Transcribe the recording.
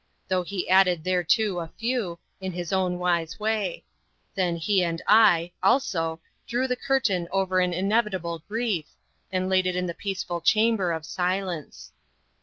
Though he added thereto a few, in his own wise way; then he and I, also, drew the curtain over an inevitable grief, and laid it in the peaceful chamber of silence.